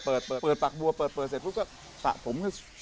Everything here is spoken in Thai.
เปิดปากบัวเปิดเสร็จแล้วก็สระผม